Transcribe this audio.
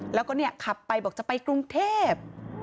แล้วก็เนี่ยขับไปบอกจะไปกรุงเทพ